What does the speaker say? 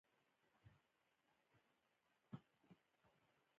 د ونو ریښې خاوره ساتي